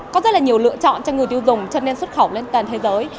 có rất là nhiều lựa chọn cho người tiêu dùng cho nên xuất khẩu lên toàn thế giới